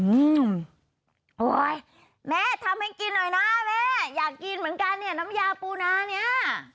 โอ้โหแม่ทำให้กินหน่อยนะแม่อยากกินเหมือนกันเนี่ยน้ำยาปูนาเนี้ย